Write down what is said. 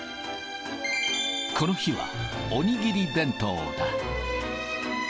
この日は、お握り弁当だ。